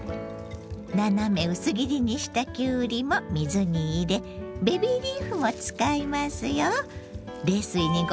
斜め薄切りにしたきゅうりも水に入れベビーリーフも使いますよ。